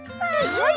はい！